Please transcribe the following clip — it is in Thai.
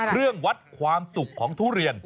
เครื่องวัดความสุขของทุเรียน